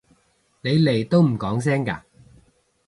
你嚟都唔講聲嘅？